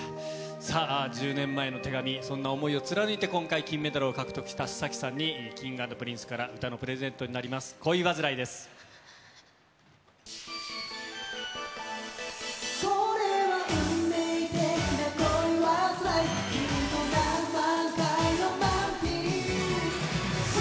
さあ、１０年前の手紙、そんな想いを貫いて、今回、金メダルを獲得した須崎さんにＫｉｎｇ＆Ｐｒｉｎｃｅから歌のプレゼントになります。